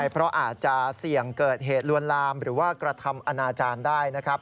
เพราะอาจจะเสี่ยงเกิดเหตุลวนลามหรือว่ากระทำอนาจารย์ได้นะครับ